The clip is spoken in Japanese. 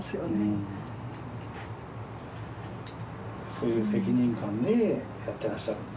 そういう責任感でやってらっしゃる？